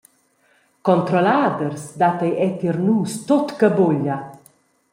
Controlladers dat ei era tier nus tut che buglia.